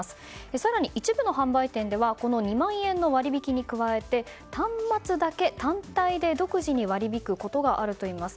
更に、一部の販売店ではこの２万円の割引に加えて端末だけ単体で独自に割り引くことがあるといいます。